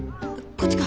こっちか。